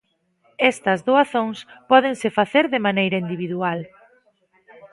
Estas doazóns pódense facer de maneira individual.